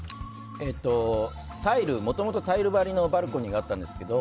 もともとタイル張りのバルコニーがあったんですけど